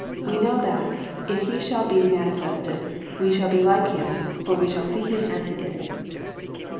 We know that, if he shall be manifested, we shall be like him, for we shall see him as he is."